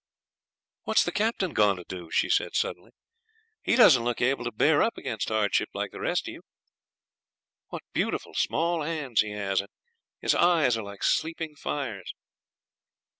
'What's the Captain going to do?' she said suddenly. 'He doesn't look able to bear up against hardship like the rest of you. What beautiful small hands he has, and his eyes are like sleeping fires.'